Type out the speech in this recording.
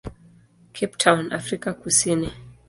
Cape Town, Afrika Kusini.